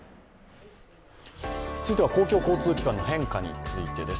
続いては公共交通機関の変化についてです。